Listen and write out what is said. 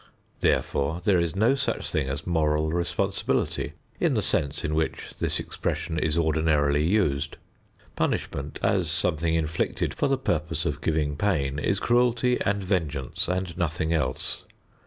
Therefore, there is no such thing as moral responsibility in the sense in which this expression is ordinarily used. Punishment as something inflicted for the purpose of giving pain is cruelty and vengeance and nothing else.